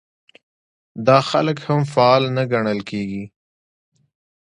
دا خلک هم فعال نه ګڼل کېږي.